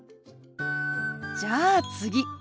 じゃあ次。